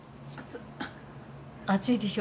熱いでしょ。